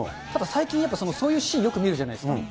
ただ最近やっぱそういうシーン、よく見るじゃないですか。